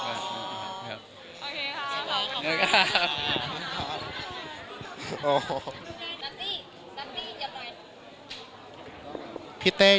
ตอนนี้ก็ยกตรงขาวได้ละครับ